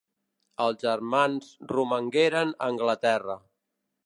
Els germans romangueren a Anglaterra.